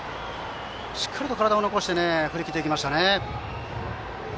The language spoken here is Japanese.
しっかりと体を残して振り切っていきましたね。